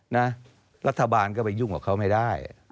รัฐบาลก็ไปยุ่งกับเขาไม่ได้